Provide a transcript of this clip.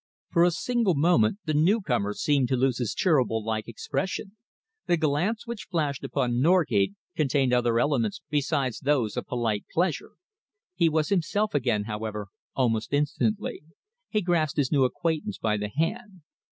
For a single moment the newcomer seemed to lose his Cheeryble like expression. The glance which he flashed upon Norgate contained other elements besides those of polite pleasure. He was himself again, however, almost instantly. He grasped his new acquaintance by the hand.